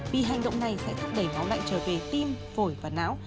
vì hành động này sẽ thúc đẩy máu lạnh trở về tim phổi và não